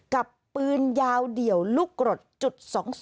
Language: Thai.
กับปืนยาวเดี่ยวลูกกรดจุด๒๒